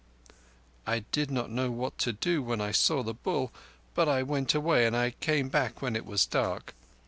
I did not know what to do when I saw the Bull, but I went away and I came again when it was dark.